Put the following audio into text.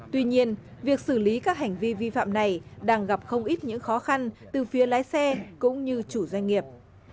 tuy nhiên việc xử lý các hành vi vi phạm này đang gặp không ít những khó khăn từ phía lái xe cũng như chủ doanh nghiệp